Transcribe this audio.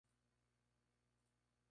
La película se rodó en Vancouver, Canadá.